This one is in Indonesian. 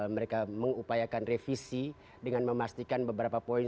mereka mengupayakan revisi dengan memastikan beberapa poin